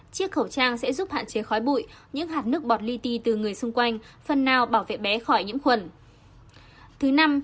chiếc khẩu trang sẽ giúp hạn chế khói bụi những hạt nước bọt lyti từ người xung quanh phần nào bảo vệ bé khỏi nhiễm khuẩn